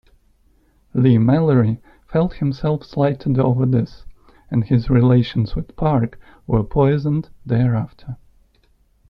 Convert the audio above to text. Leigh-Mallory felt himself slighted over this and his relations with Park were poisoned thereafter.